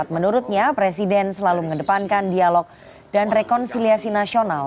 menurutnya presiden selalu mengedepankan dialog dan rekonsiliasi nasional